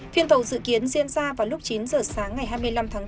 phiên tàu dự kiến diễn ra vào lúc chín giờ sáng ngày hai mươi năm tháng bốn